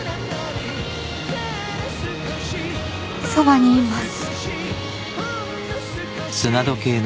そばにいます。